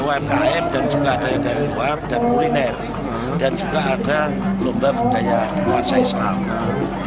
luar pkm dan juga ada dari luar dan kuliner dan juga ada lomba budaya luar saya sekali